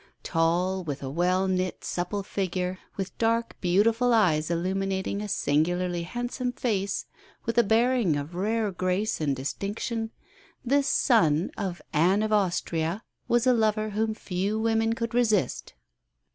Tall, with a well knit, supple figure, with dark, beautiful eyes illuminating a singularly handsome face, with a bearing of rare grace and distinction, this son of Anne of Austria was a lover whom few women could resist.